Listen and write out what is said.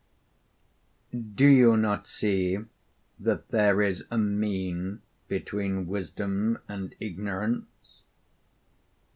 do you not see that there is a mean between wisdom and ignorance?'